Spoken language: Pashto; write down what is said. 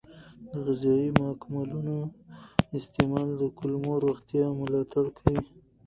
د غذایي ماکملونو استعمال د کولمو روغتیا ملاتړ کوي.